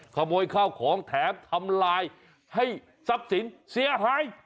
ขโมยข้าวของแถมทำลายให้ทรัพย์สินเสียหาย